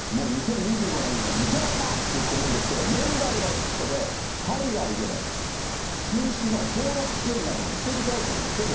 もう２０２５年には２兆円だって言ってるんですけれども、問題はここで、海外での品種の登録支援などの知的財産の保護。